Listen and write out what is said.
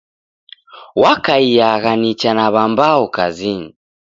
W'akaiagha nicha na w'ambao kazinyi.